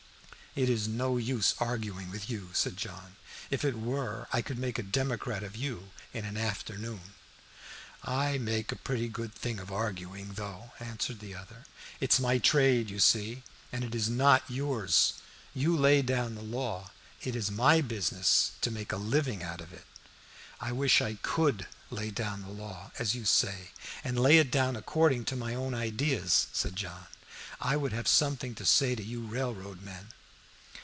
"It is of no use arguing with you," said John. "If it were, I could make a Democrat of you in an afternoon." "I make a pretty good thing of arguing, though," answered the other. "It's my trade, you see, and it is not yours. You lay down the law; it is my business to make a living out of it." "I wish I could lay it down, as you say, and lay it down according to my own ideas," said John. "I would have something to say to you railroad men."